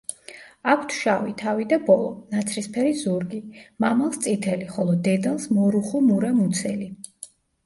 აქვთ შავი თავი და ბოლო, ნაცრისფერი ზურგი, მამალს წითელი, ხოლო დედალს მორუხო-მურა მუცელი.